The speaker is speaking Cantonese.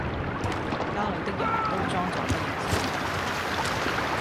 家裏的人都裝作不認識我；